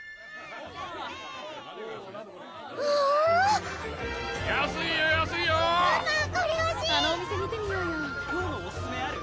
うわぁ・安いよ安いよ・・ママこれほしい・・あのお店見てみようよ・・今日のオススメある？